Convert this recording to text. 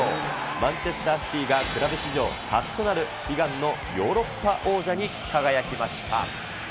マンチェスター・シティがクラブ史上初となる悲願のヨーロッパ王者に輝きました。